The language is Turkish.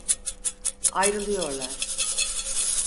Ayrılıyorlar.